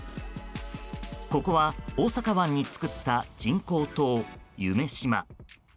ここは、大阪湾に作った人工島夢洲。